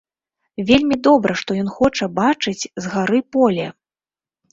Вельмі добра, што ён хоча бачыць з гары поле.